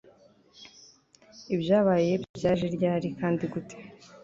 Ibyabaye byaje ryari kandi gute